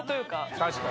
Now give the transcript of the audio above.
確かに。